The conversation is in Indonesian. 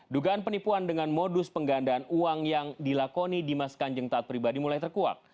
dugaan penipuan dengan modus penggandaan uang yang dilakoni dimas kanjeng taat pribadi mulai terkuak